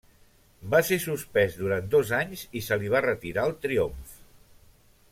Va ser suspès durant dos anys i se li va retirar el triomf.